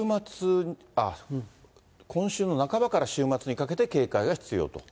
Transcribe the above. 今週の半ばから週末にかけて警戒が必要と。